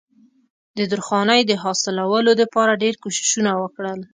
د درخانۍ د حاصلولو د پاره ډېر کوششونه وکړل